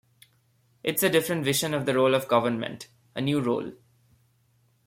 It's a different vision of the role of government, a new role.